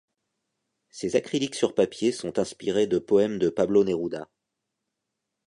Ses acryliques sur papier sont inspirées de poèmes de Pablo Neruda.